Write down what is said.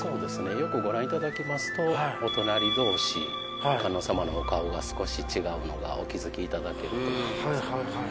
よくご覧いただきますとお隣同士観音様のお顔が少し違うのがお気付きいただけると思います。